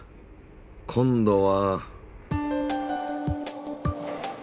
今度は。